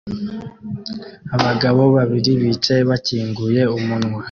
Abagabo babiri bicaye bakinguye umunwa